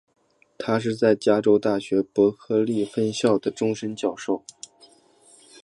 他是在加州大学伯克利分校的终身教授。